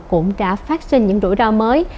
cũng đã phát sinh những rủi ro mới